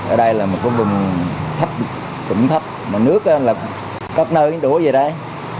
ở đây là một vùng trụng thấp mà nước là có nơi đủ gì đây